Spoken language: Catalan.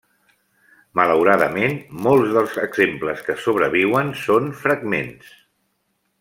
Malauradament, molts dels exemples que sobreviuen són fragments.